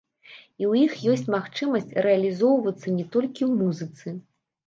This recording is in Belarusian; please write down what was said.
І ў іх ёсць магчымасць рэалізоўвацца не толькі ў музыцы.